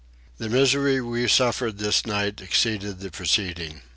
The misery we suffered this night exceeded the preceding.